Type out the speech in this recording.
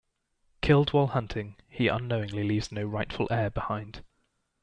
Killed while hunting, he unknowingly leaves no rightful heir behind.